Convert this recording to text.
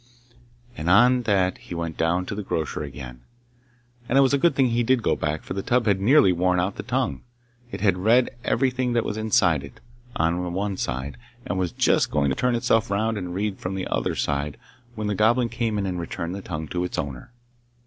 And on that he went down to the grocer again. And it was a good thing that he did go back, for the tub had nearly worn out the tongue. It had read everything that was inside it, on the one side, and was just going to turn itself round and read from the other side when the Goblin came in and returned the tongue to its owner.